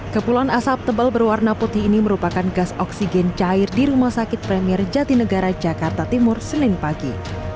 kepulan asap tebal berwarna putih ini merupakan gas oksigen cair di rumah sakit premier jatinegara jakarta timur senin pagi